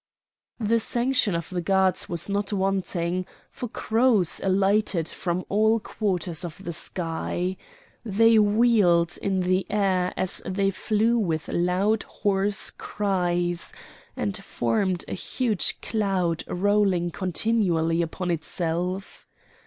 The sanction of the gods was not wanting; for crows alighted from all quarters of the sky. They wheeled in the air as they flew with loud hoarse cries, and formed a huge cloud rolling continually upon itself.